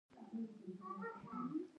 د تره ګل د وینې لپاره وکاروئ